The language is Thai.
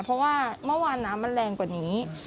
เพราะว่าเมื่อวานน้ำมันแรงกว่านี้